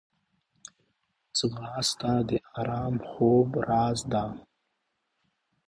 ځغاسته د ارام خوب راز ده